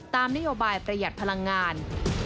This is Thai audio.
ตามนโยบายประหยัดพลังงาน